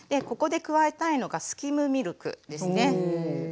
ここで加えたいのがスキムミルクですね。